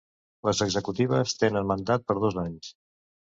Les executives tenen mandat per dos anys.